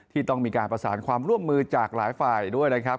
ที่ต้องมีการประสานความร่วมมือจากหลายฝ่ายด้วยนะครับ